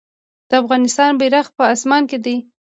د افغانستان بیرغ په اسمان کې دی